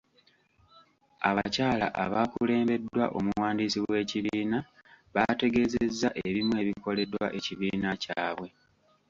Abakyala abaakulembeddwa omuwandiisi w'ekibiina baategeezezza ebimu ebikoleddwa ekibiina kyabwe.